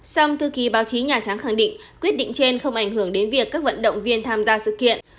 song thư ký báo chí nhà trắng khẳng định quyết định trên không ảnh hưởng đến việc các vận động viên tham gia sự kiện